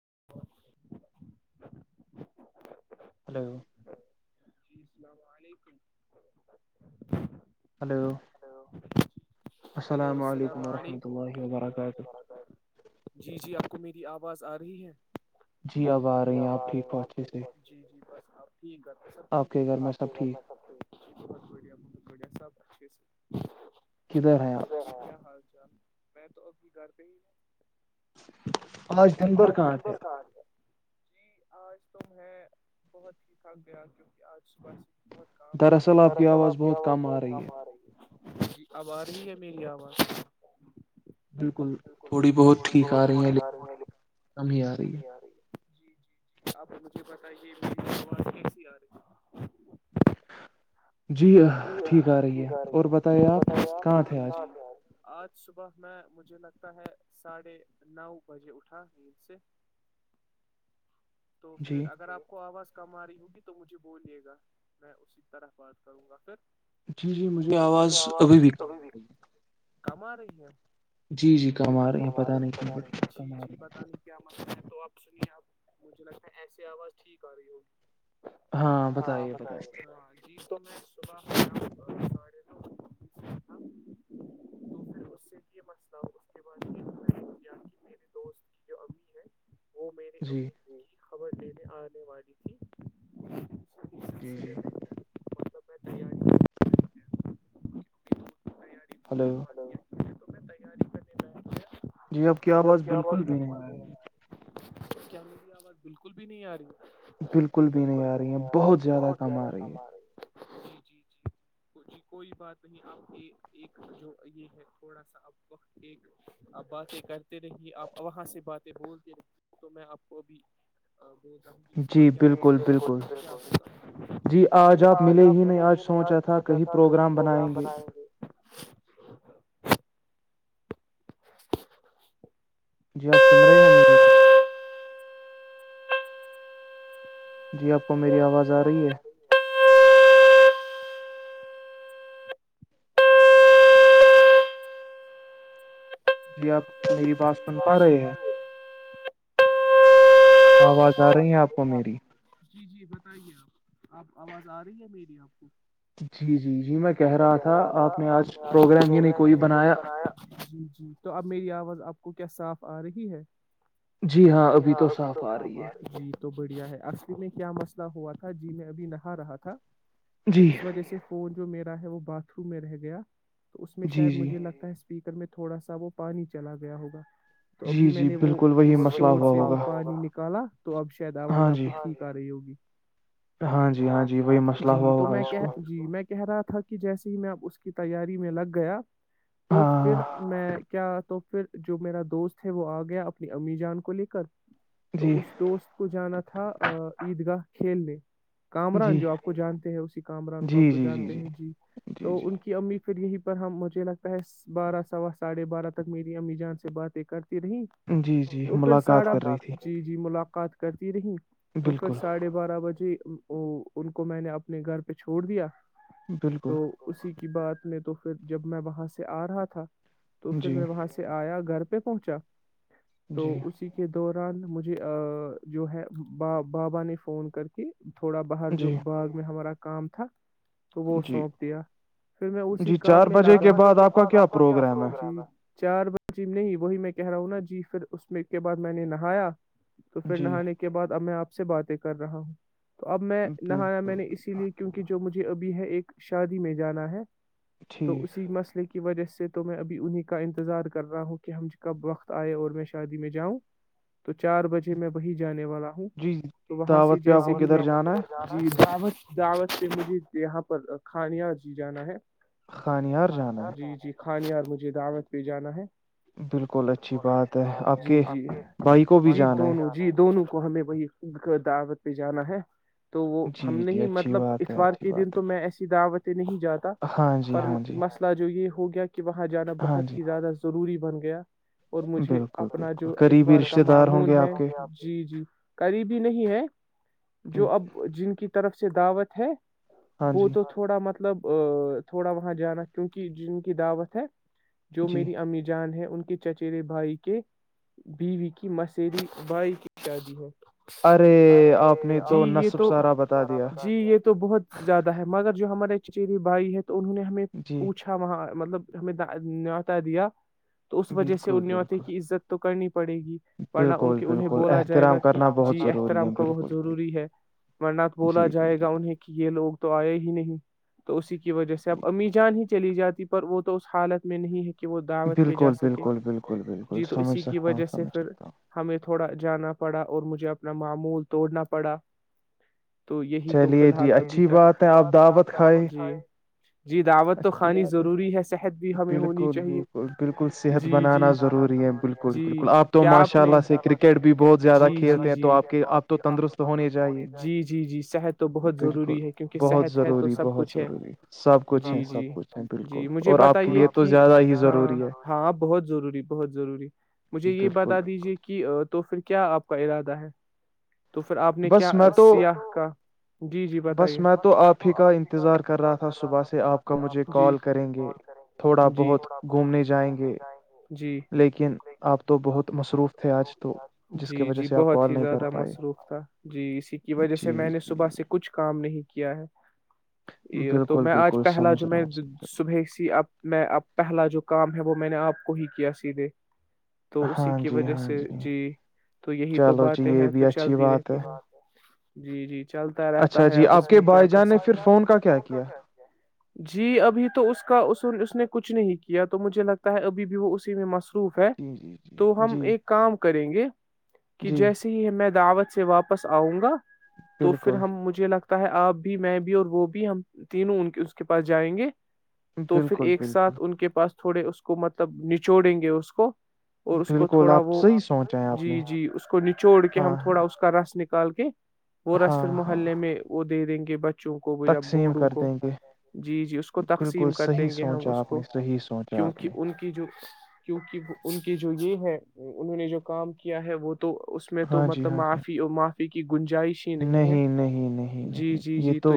[inaudible] hello السلام علیکم hello السلام علیکم ورحمۃ اللہ وبرکاتہ آواز آ رہی ہے جی اب آ رہی ہیں آپ ٹھیک پہنچھے سے ٹھیک ہے تو سب ٹھیک ہے اس گھر میں سب بیا بت بیا سب جی آپ کیا حال میں تو اھی گھر پہ ہی ن آج دن بھر کہاں تھ جی آج تو میں بہت ہی ٹھاک گیا کیوںکہ آج صح دراصل آپ کی آواز بہت کم آ رہی ہے جی آب رہی ہے میری آواز بالکل تھوڑی بہت ٹھیک آ رہی ہیں لیکن کم ہی آ رہا صحیح ہے جی جی جی آپ مجھے بتائیے میری آواز کیسی آ رہی جی ٹھیک آ رہی ہے اور بتے آپ شامال صبح میں مجھے لگتا ہے ساڑھے نو بجے اٹھا ند سے تو پھر اگر آپ کو آواز کم آ رہی ہوگی تو مجھے بولیے گا میں اسی طرح بات کروں گا پھر جی جی مجھے آواز ابھی بھی کم آ رہی ہے کم آ رہی ہے جی جی کم آ رہی ہیں پتہ نہیں کم کم آ رہی ہیں میں تو آپ سنیے آ مجھے نش ایسی آواز ٹھیک آ رہی ہوگی ہاں بتائیے بتائیے تو میں صبح آ ساڑھے دو تھا تو میںھر اس سے یہ مسئلہ اس کے بعد کیا کہ میرے دوست جی خبر دینے آنے والی تھی جی جی ب پہ ہلو جی آب کی آواز بالکل بھی ہے کیا میری آواز بالکل بھی نہیں آ رہی بالکل بھی نہیں آ رہی ہیں بہت زیادہ کم آ رہی ہے جی جی جی جی کوئی بات نہیں آپ کے ایک جو یہ ہے تھوڑا سا اپ وقت ایکپ باتیں کر رہی آپ وہاں سے باتیں بولتے رہی تو میں آپ کوب جی بالکل بالکل جی آج آپ ملے ہی نہیں آج سوچا تھا کہی پروگرام بنائیں گے ج جی آپ سن رہے ہیں میری م جی آپ کو میری آواز آ رہی ہے جی آپ میری بات سن پا رہے ہیں آواز آ رہی ہے آپ کو میری ج جی بتائیے آپ آپ آواز آ رہی ہے میری آ جی جی جی میں کہہ رہا تھا آپ نے آج پروگرام ع کوئی بنایا جی جی تو اب میری آواز اب کو کیا صاف آ رہی ہے جی ہاں ابھی تو صاف آ رہی ہے بڑھیا ہے آر میں کیا مسئلہ ہوا تھا جی میں ابھی نہا رہا تھا تو اس وجہ سے فون جو میرا ہے وہ باتھ روم میں رہ گیا تو اس میں شاید مجھے لگتا ہے اسپیکر میں تھوڑا سا وہ پانی چلا گیا ہوگا تو ابھی میں نے وہ اس شور سے وہ پانی نکالا تو اب شاید آواز آپ کو ٹھیک ہوگی ہاں جی ہاں جی وہی مسئلہ ہوا ہوگا اس کو کہ رہا تھا کہ جیسے ہی میں اب اس کی تیاری میں لگ گیا تو پھر میں کیا تو پھر جو میرا دوست ہے وہ آ گیا اپنی امی جان کو لے کر تو اس دوست کو جانا تھا عیدگاہ کھیلنے کامران جو آپ کو جانتے ہیں اسی کامران کو آپ کو جانتے ہیں جی تو ان کی امی پھر یہیں پر ہم مجھے لگتا ہے بارہ سوا ساڑھے بارہ تک میری امی جان سے باتیں کر رہی تو پھر سارا جی جی ملاقات قات کرتی رہیں تو پھر ساڑھے بارہ بجے وہ ان کو میں نے اپنے گھر پہ چھوڑ دیا [inaudible] کی بات میں تو پھر جب میں وہاں سے آ رہا تھا تو پھر وہاں سے ایا گھر [inaudible] [inaudible] دوران مجھے جو ہے ب بابا نے فون کر کے تھوڑا باہر جو باغ میں ہمارا کامتک تو وہ سونپ دیا پھر میں اسی کام میں لگا م کے بعد آپ کا کیا پروگرام ہے چار بار جی نہیں وہی میں کہہ رہا ہوں نا جی پھر اس میں کے بعد میں نے نہایا تو پھر نہانے کے اب میں آپ سے باتیں کر رہا ہوں تو اب میں نہانا میں نے اسی لیے کیونکہ جو مجھے ابھی ہے ایک شادی میں جانا ہے تو اسی مسئلے کی وجہ سے تو میں ابھی انہیں کا انتظار کر رہا ہوں کہ ہم کب وقت آئے اور میں شادی میں جاؤں تو چار بجے میں وہی جا والا ہوں تو وہاں سے جیسے ہی دعوت سے مجید یہاں پر کھانیا جی جانا ہے قانار جانا ہے کان اور مجھے دعامد پہ جانا ہے بالکل اچھی بات ہے آپ کے بھائی کو بھی جانا ہے دونوں کو ہمیں وہی خ دعوت پہ جانا ہے تو وہ ہم نے ہی مطلب اتوار کے دن تو میں ایسی دعوت [inaudible] جاتا پر مسئلہ جو یہ [inaudible] کہ وہاں جانا بہت ہی زیادہ ضروری [inaudible] بالکل بالکل قریبی رشتہ دار ہوں گے آپ کے جی جی قریبی نہیں ہے جو اب جن کی طرف سے دعوت ہے وہ تو تھوڑا متب مطلب تھوڑا وہاں جانا کیونکہ جن کی دعوت ہے جو میری امی جان ہے ان کے چچرے بھائی کے بیوی کی مسری بھائی کی شادی ہے ر جی یہ تو جی یہ تو بہت زیادہ ہے مگر جو ہمارے چری بھائی ہے تو انہوں نے ہمیں پوچھا وہاں مطلب ہمیں نتا دیا تو اس وجہ سے ان نےوت کی عزت تو کرنی پڑے گی پڑھنا ان کو کہ انہیں بولا جائے گا کہ جی احترام کا بہت ضروری ہے مرنات بولا جائے گا انہیں کہ یہ لوگ تو آئے ہی نہیں تو اسی کی وجہ سے اب امی جان ہی چلی جاتی پر وہ تو اس حالت میں نہیں ہے بالکل بالکل بالکل بالکل سمجھ سکتا ہوں سمجھ سکتا ہوں تھوڑا جانا پڑا اور مجھے اپنا معمول توڑنا پڑا چلیے جی اچھی بات ہے آپ دعوت کھائے اچھی بات ہے بالکل بالکل بالکل صحت بنانا ضروری ہے بالکل بالکل آپ تو ماشاء اللہ سے کرکٹ بھی بہت زیادہ کھیلتے ہیں تو آپ کے آپ تو تندرست ہونے چاہیے بالکل بہت ضروری بہت ضروری سب جی جی جی مجھے بتائیے کہ ہاں ہاں بہت ضروری بہت ضروری مجھے یہ بتا دیجیے تو پھر کیا آپ کا ارادہ ہے تو پھر آپ نے کیا سیاح کا بس میں تو آپ ہی کا انتظار کر رہا تھا صبح سے آپ کا مجھے کال کریں گے تھوڑا بہت گھومنے جائیں گے لیکن آپ تو بہت مصروف جی جی بہت ہی زیادہ مصروف تھا جی اسی کی وجہ سے میں نے صبح سے کچھ کام نہیں کیا ہے یہ تو میں آج پہلا جو میں صبح س اب میں اب پہلا جو کام ہے وہ میں نے آپ کو ہی کیا سیدھے ہاں جی ہاں جی جی تو یہی تو باتیں ہیں تو چلتی رہتی بات جی جی اچھا جی آپ کے بھائی جان نے پھر فون کا کیا کیا جی ابھی تو اس کا اصول اس نے کچھ نہیں کیا تو مجھے لگتا ہے ابھی بھی وہ اسی میں مص پروف ہے تو ہم ایک کریں گے کہ جیسے ہییں دعوت سے واپس آؤں گا تو پھر ہم مجھے لگتا ہے آپ بھی میں بھی اور وہ بھی ہم تینوں ان کے اس کے پاس جائیں گے تو پھر ایک ساتھ ان کے پاس تھوڑے اس کو مطلب نچوڑیں گے اس کو اور اس کو تھ تھوڑا وہ جی جی اس کو نچوڑ کے ہم تھوڑا اس کا رس نک [inaudible] وہ رسفر محلے میں وہ دے دیں گے [inaudible] بچوں کو یا بوڈوں کو جی جی اس کو تقسیم کر دیں گے ہم اس کو کیونک ان کی جو کیوںک ان کی جو یہ ہے انہوں نے جو کام کیا ہے وہ تو اس میں تو مطلب معافی ا [inaudible] نہیں نہیں نہیں نہیں یہ تو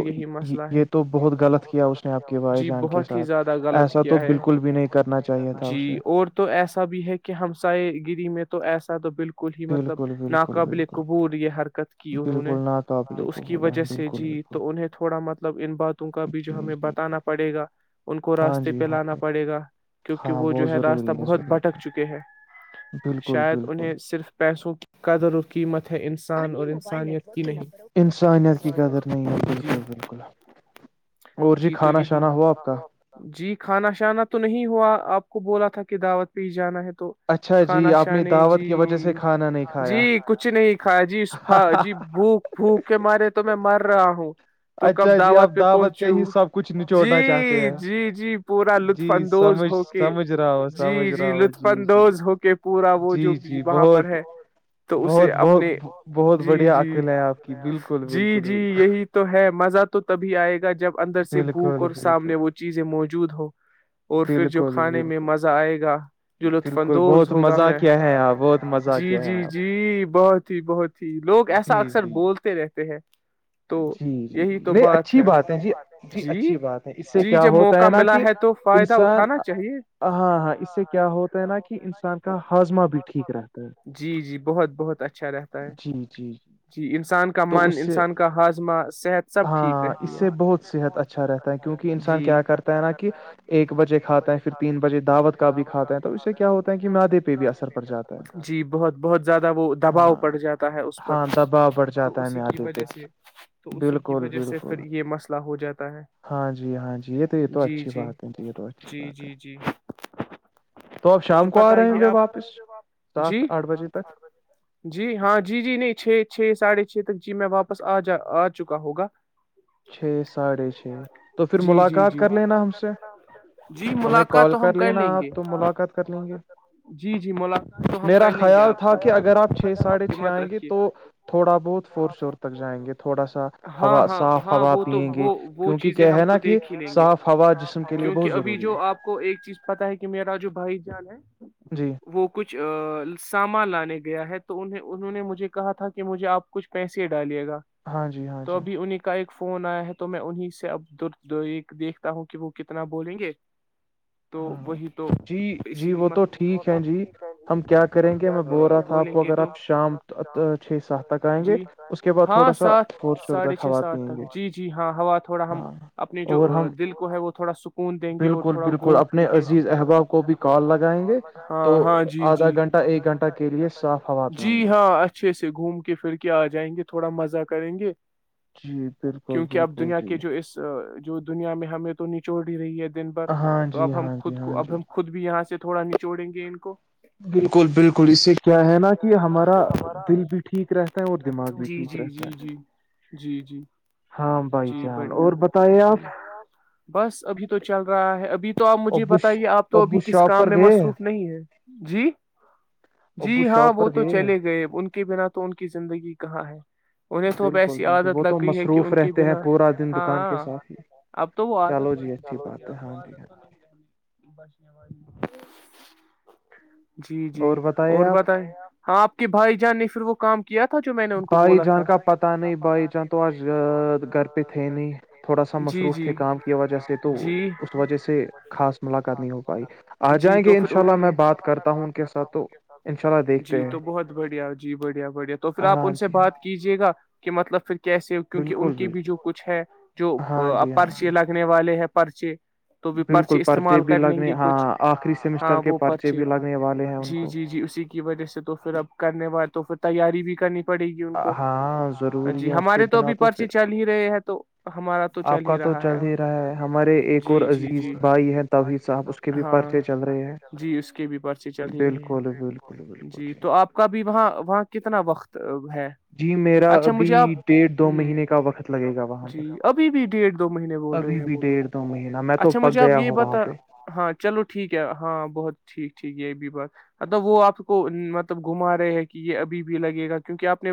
یہ تو بہت غلط کیا اس نے آپ کے بائی جان کے ساتھ ایسا تو بالکل بھی نہیں کرنا چاہیے تھا اسے میں تو ایسا تو بالکل بالکل ہی مطلب ناقابل قبول یہ حرکت کی انہوں نے تو اس کی وجہ سے جی تو انہیں تھوڑا مطلب ان باتوں کا بھی جو ہمیں بتانا پڑے گا ان کو راستے پہ لانا پڑے گا کیونکہ وہ جو ہے راستہ بہت بھٹک چکے ہے شاید انہیں صرف پیسوں قدر و قیمت ہے ان انسان اور انسانیت نہیں ج جی تو یہی جی کھانا شانا تو نہیں ہوا آپ کو بولا تھا کی دعوت پیش جانا ہے اچھا اچھا ناشانی جی جی کچھ نہیں کھا جی اسا جی بھوک بھوک کے مارے تو میں مر رہا ہوں اچھا جی آپ دعوت پہ ہی سب کچھ نچوڑنا چاہتے ہیں پورا لطف اندوز ہو کے جی جی لطف اندوز ہو کے کہ پورا وہ جو وہاں پر ہے تو اسے اپنے جی جی جی جی یہی تو ہے مزہ تو تبھی آئے گا جب اندر سے بھوک اور سامنے وہ چیزیں موجود ہو اور پھر جو کھانے میں مزہ آئے گا جو لطف اندوز ہوگا میں جی جی جی بہت ہی بہت ہی لوگ ایسا اکثر بولتے رہتے ہیں جی جی نہیں اچھی بات ہے جی جی اچھی بات ہے اس سے کیا ہوتا ہے نا کہ انسان ہاں ہاں اس سے کیا ہوتا ہے نا کہ انسان ک جی جی بہت بہت اچھا رہتا ہے جی انسان کا من انسان کا ہص ہاں اس سے بہت صحت اچھا رہتا ہے کیونکہ انسان کیا کرتا ہے نا کہ ایک بجے کھاتا ہے پھر تین بجے دعوت کا بھی کھاتا ہے تو اس سے کیا ہوتا ہے کہ مدے پہ بھی اثر پڑتا ہے جی بہت بہت زیادہ وہ دباؤ پڑ جاتا ہے اس پر تو اسی کی وجہ سے بالکل بالکل ہاں جی ہاں جی یہ تو یہ تو اچھی بات ہے جی یہ تو اچھی بات ہے تو آپ شام کو آ رہے ہ گے واپس جی جی ہاں جی جی نہیں چھ چھ ساڑھے چھ چتک جی میں واپس آ جا آ چکا ہوگا چھ ساڑھے چھ تو پھر ملاقات کر لینا ہم سے ہمیں کال کر لینا آپ تو ملاقات کر لیں گے میرا خیال تھا کہ اگر آپ چھ ساڑھے چھ آئیں گے تو تھوڑا بہت فور شور تک جائیں گے تھوڑا سا ہوا صاف وہ تو وہ وہ چیزیں ہم تو دیکھ ہی لیں گے کیونکہ ابھی جو آپ کو ایک چیز پتا ہے کہ میرا جو بھائی جان ہے جی وہ کچھ سامان لانے گیا ہے تو انہیں انہوں نے مجھے کہا تھا کہ مجھے آپ کچھ پیسے ڈالے گا تو ابھی انہیں کا ایک فون آیا ہے تو میں انہ سے اب د دیکھتا ہوں کہ وہ کتنا بولیں گے ہاں جی جی وہ تو ٹھیک ہے جی جی ہم کیا کریں گے میں بول رہا تھا آپ کو اگر آپ شام چھ سات تک آئیں گے اس کے بعد تھوڑا سا فور شور تک ہوا پیئیں گے ہاں اور ہم بالکل بالکل اپنے عزیز احباب کو بھی کال لگائیں گے اں ہاں جی جیدھا گھ جی ہاں اچھے سے گھوم کے پھر کے آ جائے جائیں گے تھوڑا مزہ کریں گے کیونکہ اب دنیا کے جو اس جو دنیا میں ہمیں تو نچوڑ ہی رہی ہے دن بھر تو اب ہم خود کو اب ہم خود بھی یہاں سے تھوڑای چویںی گینین کو بالکل بالکل اس سے کیا ہے نا کہ ہمارا دل بھی ٹھیک رہتا ہے اور دماغ بھی ٹھیک رہتا ہے جی بڑھیا بس ابھی تو چل رہا ہے ابھی تو آپ مجھے بتائیے آپ تو ابھی کس کام میں مصروف نہیں ہے جی جی ہاں وہ تو چلے گئے ان کے بنا تو ان کی زندگی کہاں ہے انہیں تو ایسی عادت لگ گئی ہے کہ ان کو بنا ہاں اب تو وہ عادت بن جالو گی اب وہ عادت تو نہیں رہ بچنے والی [inaudible] جی جی اور بتائے ہاں آپ کے بھائی جان نے پھر وہ کم بھائی جان کا پتا نہیں بھائی جان تو آج گھر پہ تھے نہیں تھوڑا سا مصروف تھے کام کی وجہ سے تو اس وجہ سے خاص ملاقات نہیں ہو پائی آ جائیں گے انشاءلہ میں بات کرتا ہوں ان کے ساتھ تو انشاء اللہ دیکھتے ہیں تو پھر آپ ان سے بات کیجیے گا کہ مطلب پھر کیسے کیونکہ ان کی بھی جو کچھ ہے جو اپر سے لگنے والے ہیں ہے پرچے تو بھی پرچے استعمال کر لیں گے کچھ ہاں وہ پرچے جی جی جی اسی کی وجہ سے تو پھر اب کرنے والے تو پھر تیاری بھی کرنی ہاں ضروری ہے اس کے بنا تو پرچی چل ہی رہے ہیں تو ہمارا تو چل ہی رہا ہےا جی جی جی ہاں جی اس کے بھی پرچی چل ہی رہے ہیں جی تو آپ کا بھی وہاں وہاں کتنا وقت جی میرا ابھی ڈیٹ دو جی ابھی بھی ڈیڑھ دو مہینے بول رہے ہیں وہ لوگ اچھا مجھے اب یہ بتا ہاں چلو ٹھیک ہے ہاں بہت ٹھیک ٹھیک یہ بھی بات مطلب وہ آپ کو مطلب گھما رہے ہیں کہ یہ ابھی بھی لگے گا کیونکہ آپ نے